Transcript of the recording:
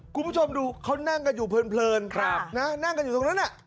คุณผู้ชมดูเขานั่งกันอยู่เพลินนั่งกันอยู่ตรงนั้น